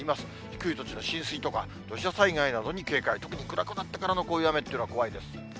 低い土地の浸水とか、土砂災害などに警戒と、暗くなってからのこういう雨っていうのは怖いです。